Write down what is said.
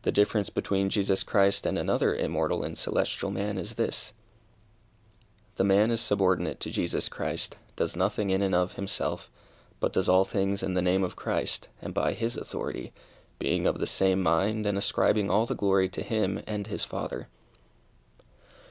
The difference between Jesus Christ and another immortal and celestial man is this the man is subordinate to Jesus Christ, does nothing in and of himself, but does all things in the name of Christ, and by his authority, being of the same mind, and ascribing all the glory to him and his Father.